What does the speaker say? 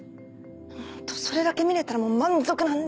ホントそれだけ見れたらもう満足なんで。